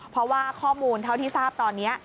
เพราะว่าข้อมูลเท่าที่ทราบตอนนี้